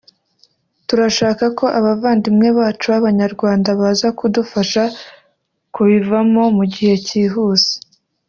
turashaka ko abavandimwe bacu b’Abanyarwanda baza kudufasha kubivamo mu gihe kihuse